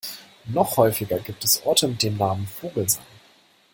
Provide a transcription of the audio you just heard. Noch häufiger gibt es Orte mit dem Namen Vogelsang.